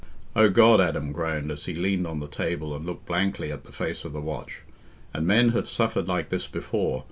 "O God," Adam groaned, as he leaned on the table and looked blankly at the face of the watch, "and men have suffered like this before...